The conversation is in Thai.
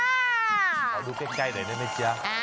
เอาดูใกล้หน่อยได้มั้ยจ๊ะ